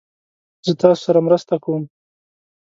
زه تاسو سره مرسته کوم